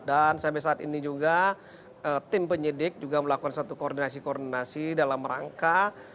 sampai saat ini juga tim penyidik juga melakukan satu koordinasi koordinasi dalam rangka